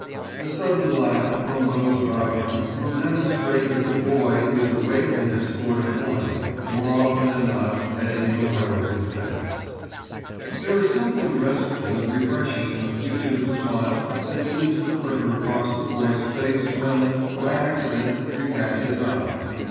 A sudden laugh from those about him will demonstrate that the Boy is awake and has scored a point, more often than not at Angell Herald's expense. There is something restful and refreshing in the fugitive smile that seems to flicker across the Boy's face when, by accident, you catch his eye.